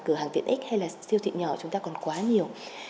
cửa hàng tiện ích hay là siêu thị nhỏ chúng ta còn quá nhiều